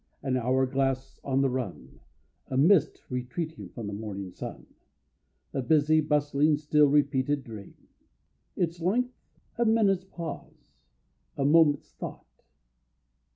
An hour glass on the run, A mist retreating from the morning sun, A busy, bustling, still repeated dream. Its length? A minute's pause, a moment's thought.